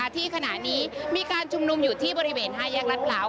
ที่ขณะนี้มีการชุมนุมอยู่ที่บริเวณ๕แยกรัฐพร้าว